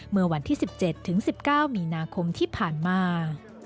เมื่อวันที่๑๗ถึง๑๙มีนาคมที่ผ่านมา